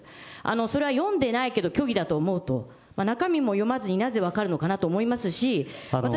それは読んでないと虚偽だと思うと、中身も読まずになぜ分かるのかなと思いますし。